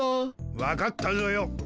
わかったぞよ。